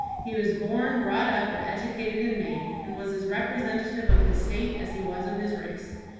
He was born, brought up, and educated in Maine, and was as representative of his State as he was of his race.